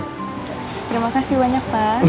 terima kasih banyak pak